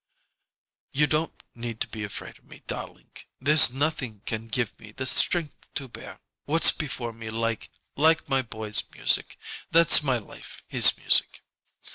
"You don't need to be afraid of me, darlink. There's nothing can give me the strength to bear what's before me like like my boy's music. That's my life, his music."